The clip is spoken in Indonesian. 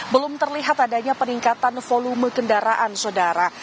belum terlihat adanya peningkatan volume kendaraan sodara